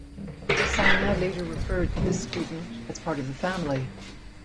Sangha later referred to this student as part of the family.